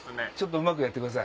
うまくやってください